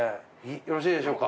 よろしいでしょうか？